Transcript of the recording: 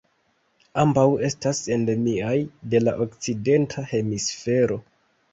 Ambaŭ estas endemiaj de la Okcidenta Hemisfero.